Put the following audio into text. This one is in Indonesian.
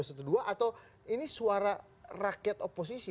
atau ini suara rakyat oposisi